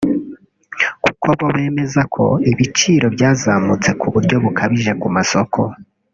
kuko bo bemeza ko ibiciro byazamutse k’uburyo bukabije ku masoko